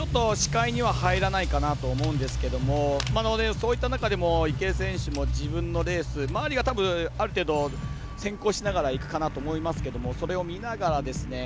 ちょっと視界には入らないかなと思うんですがそういった中でも池江選手も自分のレース、周りがある程度先行しながらいくかなと思いますけれどもそれを見ながらですね。